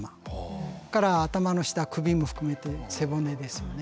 それから頭の下首も含めて背骨ですよね。